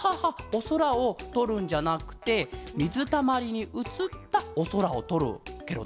おそらをとるんじゃなくてみずたまりにうつったおそらをとるケロね。